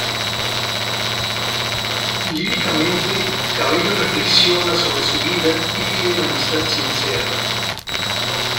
Líricamente, Cabello reflexiona sobre su vida y pide una amistad sincera.